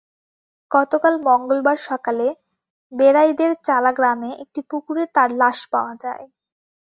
গতকাল মঙ্গলবার সকালে বেড়াইদেরচালা গ্রামের একটি পুকুরে তার লাশ পাওয়া যায়।